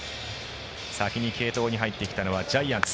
先に継投に入ってきたのはジャイアンツ。